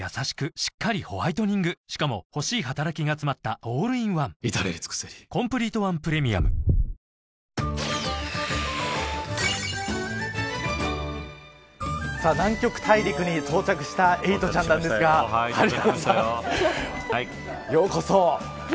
しっかりホワイトニングしかも欲しい働きがつまったオールインワン至れり尽せり南極大陸に到着したエイトちゃんなんですがようこそ。